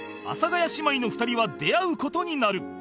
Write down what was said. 阿佐ヶ谷姉妹の２人は出会う事になる